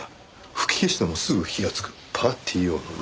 吹き消してもすぐ火がつくパーティー用のろうそく。